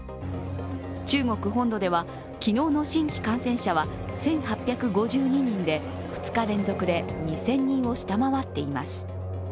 中国本土では、昨日の新規感染者は１８５２人で２日連続で２０００人を下回っています。